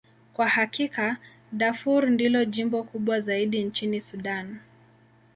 Kwa hakika, Darfur ndilo jimbo kubwa zaidi nchini Sudan.